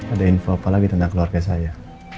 ada info apa lagi tentang keluarga saya